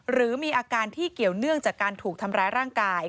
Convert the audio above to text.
หรือมีอาการที่เกี่ยวเนื่องจากการถูกทำร้ายร่างกาย